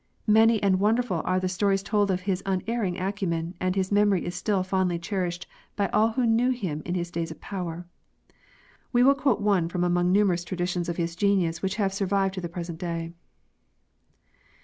Many and wonderful are the stories told of his unerring acumen, and his memory is still fondly cherished by all who knew him in his days of power. We will quote one from among numerous traditions of his genius which have survived to the present day.